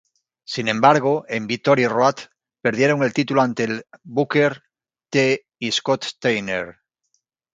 Sin embargo, en Victory Road perdieron el título ante Booker T y Scott Steiner.